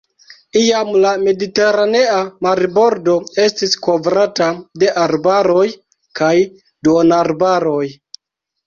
Iam la mediteranea marbordo estis kovrata de arbaroj kaj duonarbaroj.